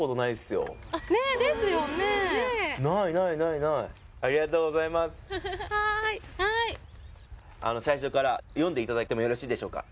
いやはいはい最初から読んでいただいてもよろしいでしょうか？